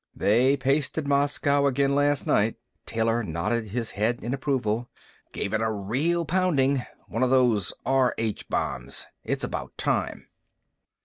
"They pasted Moscow again last night." Taylor nodded his head in approval. "Gave it a real pounding. One of those R H bombs. It's about time."